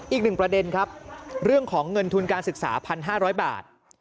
อีกหนึ่งประเด็นครับเรื่องของเงินทุนการศึกษา๑๕๐๐บาท